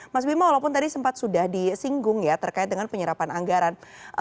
mas bimo walaupun tadi sempat sudah disinggung ya terkait dengan penyerapan anggaran